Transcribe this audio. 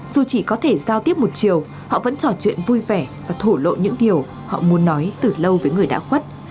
dù chỉ có thể giao tiếp một chiều họ vẫn trò chuyện vui vẻ và thổ lộ những điều họ muốn nói từ lâu với người đã khuất